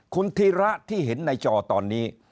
คุณธีระที่เห็นในจอตอนนี้